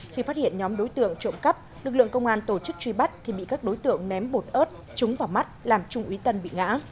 khi phát hiện nhóm đối tượng trộm cắp lực lượng công an tổ chức truy bắt thì bị các đối tượng ném bột ớt trúng vào mắt làm trung úy tân bị ngã